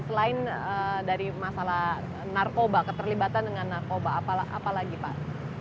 selain dari masalah narkoba keterlibatan dengan narkoba apa lagi pak